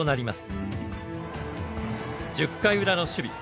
１０回ウラの守備。